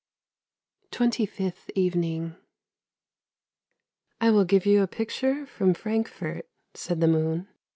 TWENTY FIFTH EVENING " I will give you a picture from Frankfort," said the moon.